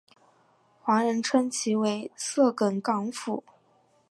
华人称其为色梗港府。